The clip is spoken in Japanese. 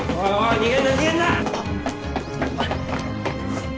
逃げんな逃げんな！